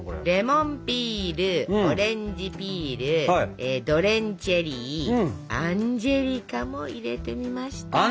レモンピールオレンジピールドレンチェリーアンジェリカも入れてみました。